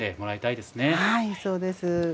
はい、そうです。